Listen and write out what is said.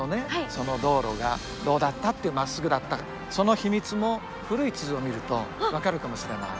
その道路がどうだったっていうまっすぐだったその秘密も古い地図を見ると分かるかもしれない。